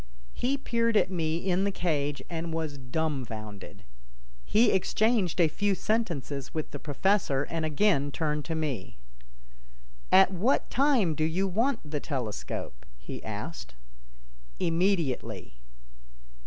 He peered at me in the cage and was dumfounded. He exchanged a few sentences with the professor and again turned to me: "At what time do you want the telescope?" he asked. "Immediately."